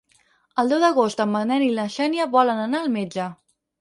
El deu d'agost en Manel i na Xènia volen anar al metge.